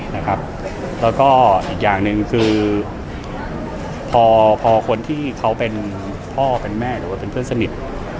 แล้วก็อีกอย่างหนึ่งคือพอคนที่เขาเป็นพ่อเป็นแม่หรือว่าเป็นเพื่อนสนิท